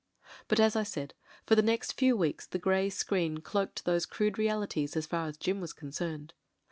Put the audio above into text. ••••• But as I said, for the next few weeks the grey screen cloaked those crude realities as far as Jim was con cerned.